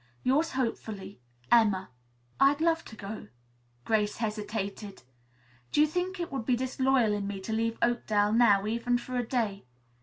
"Yours hopefully, "EMMA." "I'd love to go." Grace hesitated. "Do you think it would be disloyal in me to leave Oakdale now, even for a day?